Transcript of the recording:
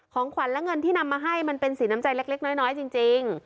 ของขวัญและเงินที่นำมาให้มันเป็นสีน้ำใจเล็กน้อยจริง